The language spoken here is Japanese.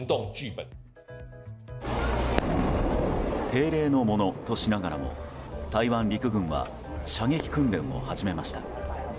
定例のものとしながらも台湾陸軍は射撃訓練を始めました。